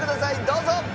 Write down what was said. どうぞ！